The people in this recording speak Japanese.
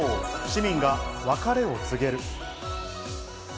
市民が別れを告げる。